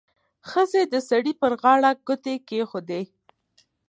ښځې د سړي پر غاړه ګوتې کېښودې.